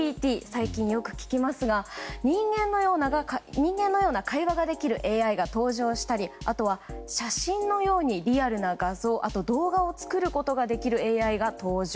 最近よく聞きますが人間のような会話ができるＡＩが登場したりあとは写真のようにリアルな画像や動画を作ることのできるＡＩが登場。